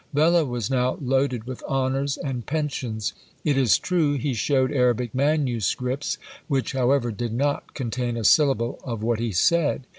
Vella was now loaded with honours and pensions! It is true he showed Arabic MSS., which, however, did not contain a syllable of what he said.